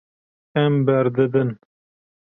Em berdidin.